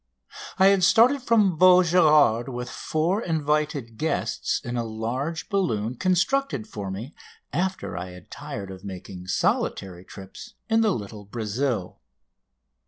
I had started from Vaugirard with four invited guests in a large balloon constructed for me after I had tired of making solitary trips in the little "Brazil."